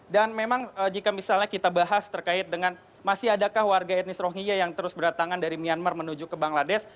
dan memang jika misalnya kita bahas terkait dengan masih adakah warga etnis rohingya yang terus berdatangan dari myanmar menuju ke bangladesh